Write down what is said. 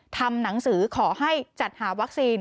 ทำหนังสือขอให้จัดหาวัคซีน